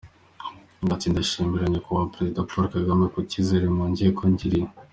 Yagize ati “Ndabashimira Nyakubahwa Perezida Paul Kagame ku cyizere mwongeye kungirira.